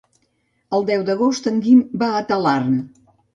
El deu d'agost en Guim va a Talarn.